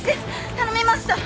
頼みました！